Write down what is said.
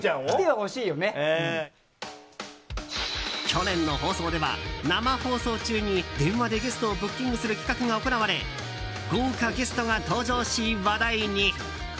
去年の放送では、生放送中に電話でゲストをブッキングする企画が行われ豪華ゲストが登場し、話題に。